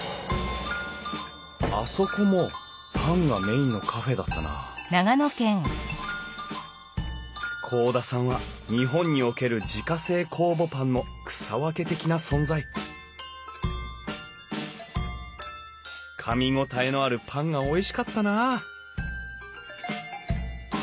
あそこもパンがメインのカフェだったな甲田さんは日本における自家製酵母パンの草分け的な存在かみ応えのあるパンがおいしかったなあ